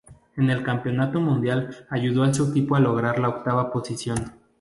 En el Campeonato Mundial, ayudó a su equipo a lograr la octava posición.